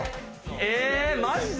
えマジで？